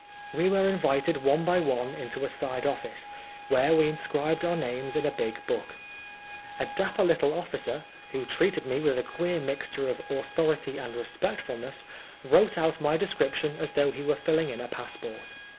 We were invited one by one into a side office, where we inscribed our names in a big book. A dapper little officer, who treated me with a queer mixture of autho rity and respectfulness, wrote out my description as though he were filling in a passport.